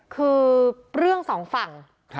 คือเรื่องสองฝั่ง